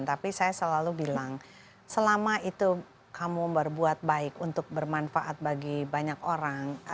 tapi saya selalu bilang selama itu kamu berbuat baik untuk bermanfaat bagi banyak orang